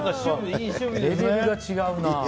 レベルが違うな。